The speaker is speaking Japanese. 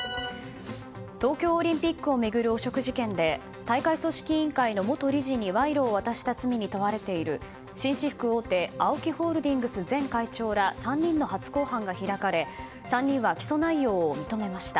東京オリンピックを巡る汚職事件で大会組織委員会の元理事に賄賂を渡した罪に問われている紳士服大手ＡＯＫＩホールディングス前会長ら３人の初公判が開かれ３人は起訴内容を認めました。